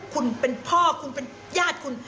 คุณเป็นพ่อคุณเป็นญาติคุณ